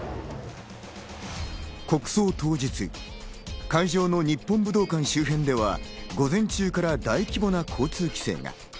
国葬当日、会場の日本武道館周辺では、午前中から大規模な交通規制が。